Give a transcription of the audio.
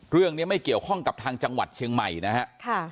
เรื่องนี้ไม่เกี่ยวข้องกับทางจังหวัดเชียงใหม่นะฮะ